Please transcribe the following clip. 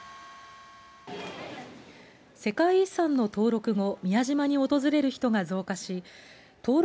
世界遺産の登録後宮島に訪れる人が増加し登録